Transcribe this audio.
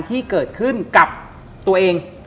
ที่เกิดขึ้นกับตัวเอง